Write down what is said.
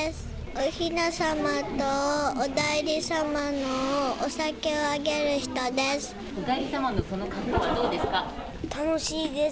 おひな様とお内裏様のお酒をあげる人です。